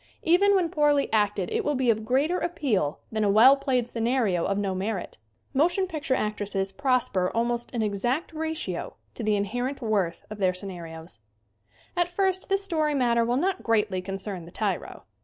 Even when poorly acted it will be of greater appeal than a well played scenario of no merit. Mo tion picture actresses prosper almost in exact ratio to the inherent worth of their scenarios. At first this story matter will not greatly concern the tyro.